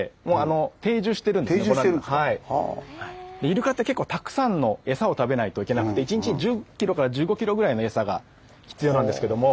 イルカって結構たくさんの餌を食べないといけなくて１日に１０キロから１５キロぐらいの餌が必要なんですけども。